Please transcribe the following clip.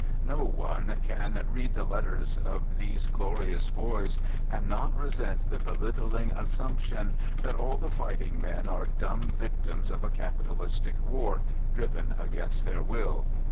No one can read the letters of these glorious boys and not resent the belittling assumption that all the fighting men are dumb victims of a " capitalistic " war, driven against their will.